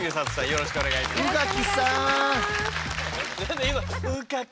よろしくお願いします。